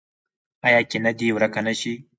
آیا کینه دې ورک نشي؟